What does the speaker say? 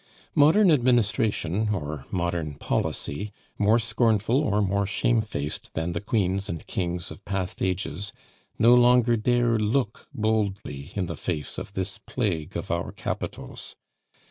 Modern administration, or modern policy, more scornful or more shamefaced than the queens and kings of past ages, no longer dare look boldly in the face of this plague of our capitals.